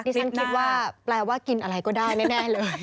ฉันคิดว่าแปลว่ากินอะไรก็ได้แน่เลย